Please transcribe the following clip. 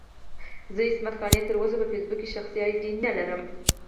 زه عصمت قانع تر اوسه په فېسبوک کې شخصي اې ډي نه لرم.